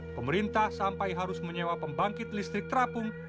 pemerintah sampai harus menyewa pembangkit listrik terapung